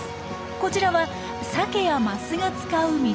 こちらはサケやマスが使う道づくり。